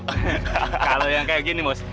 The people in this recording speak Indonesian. kalau yang kayak gini mas